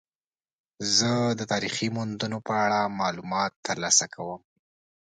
زه د تاریخي موندنو په اړه معلومات ترلاسه کوم.